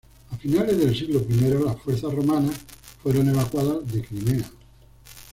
A finales del siglo I, las fuerzas romanas fueron evacuadas de Crimea.